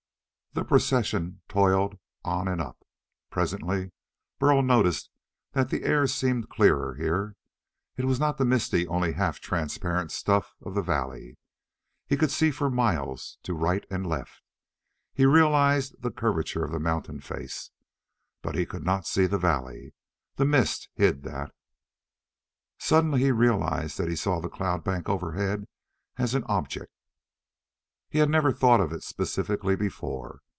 The procession toiled on and up. Presently Burl noticed that the air seemed clearer, here. It was not the misty, only half transparent stuff of the valley. He could see for miles to right and left. He realized the curvature of the mountain face. But he could not see the valley. The mist hid that. Suddenly he realized that he saw the cloud bank overhead as an object. He had never thought of it specifically before.